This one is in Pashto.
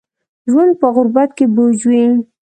ژوند په غربت کې بوج وي